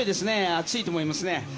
暑いと思いますね。